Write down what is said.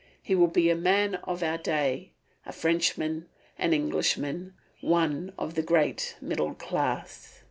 He will be a man of our day, a Frenchman, an Englishman, one of the great middle class.